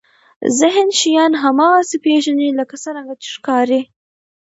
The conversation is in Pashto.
ذهن شیان هماغسې پېژني لکه څرنګه چې ښکاري.